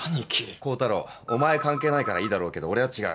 光太郎お前関係ないからいいだろうけど俺は違う。